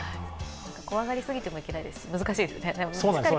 怖がりすぎてもいけないですし難しいですね。